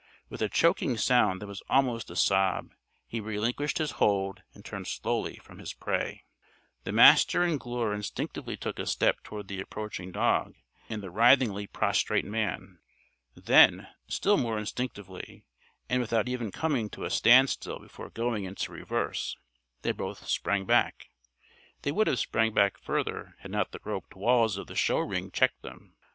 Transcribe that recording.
With a choking sound that was almost a sob he relinquished his hold and turned slowly from his prey. The Master and Glure instinctively took a step toward the approaching dog and the writhingly prostrate man. Then, still more instinctively, and without even coming to a standstill before going into reverse, they both sprang back. They would have sprung further had not the roped walls of the show ring checked them.